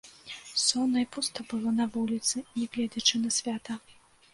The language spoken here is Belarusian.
Сонна і пуста было на вуліцы, нягледзячы на свята.